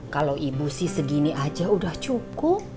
kalau ibu sih segini aja udah cukup